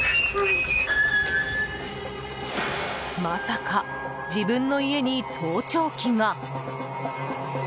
まさか自分の家に盗聴器が。